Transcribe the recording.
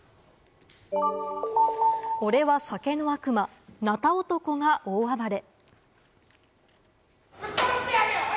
俺は酒の悪魔、なた男が大暴れ。